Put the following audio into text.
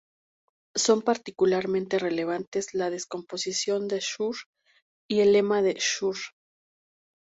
Son particularmente relevantes la Descomposición de Schur y el Lema de Schur.